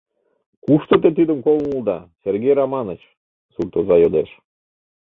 — Кушто те тидым колын улыда, Сергей Раманыч? — сурт оза йодеш.